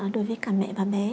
đối với cả mẹ và bé